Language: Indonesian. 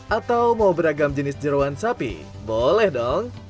atau mau beragam jenis jerawan sapi boleh dong